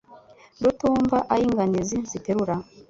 Rutumva ay' inganizi ziterura